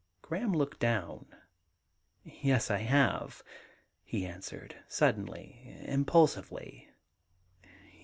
Graham looked down. *Yes, I have,' he answered suddenly, impulsively.